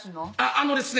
あのですね